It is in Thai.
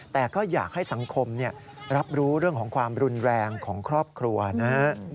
แต่ก็อยากให้สังคมรับรู้เรื่องของความรุนแรงของครอบครัวนะฮะ